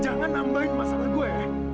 jangan nambahin masalah gue